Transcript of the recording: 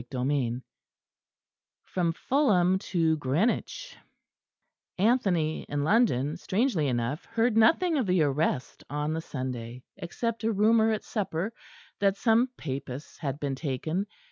CHAPTER IX FROM FULHAM TO GREENWICH Anthony in London, strangely enough, heard nothing of the arrest on the Sunday, except a rumour at supper that some Papists had been taken.